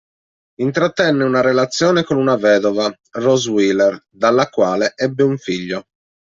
Intrattenne una relazione con una vedova, Rose Wheeler, dalla quale ebbe un figlio.